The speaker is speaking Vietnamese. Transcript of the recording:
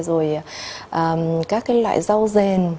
rồi các cái loại rau rền